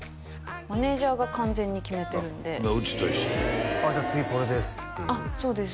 マネージャーが完全に決めてるんでうちと一緒じゃあ次これですっていうそうです